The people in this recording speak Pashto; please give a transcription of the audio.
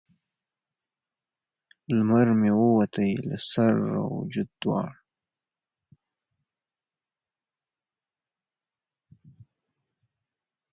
لمر مې ووتی له سر او وجود دواړه